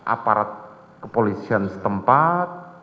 aparat kepolisian setempat